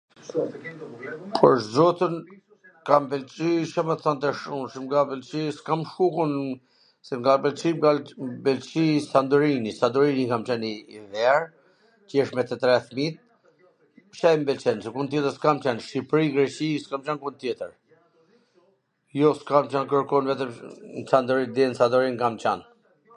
Pwr zotin, kam pwlqy, C do me than tash, un mw ka pwlqy, s kam shku un.. se m ka pwlqy, m ka pwlqy Sandorini, Sandorini kam qwn njw her, qesh me tw tre fmit, qe m pwlqen, se diku tjetwr s kam qwn, n Shqipri n Greqi s kam qwn kund tjetwr, jo, s kam qwn kwrrkund, vetwm deri nw Santorin kam qwn.